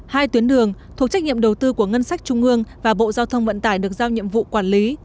hai tuyến đường thuộc trách nhiệm đầu tư của ngân sách trung ương và bộ giao thông vận tải được giao nhiệm vụ quản lý